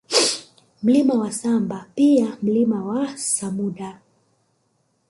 Mlima wa Samba pia Mlima wa Samuda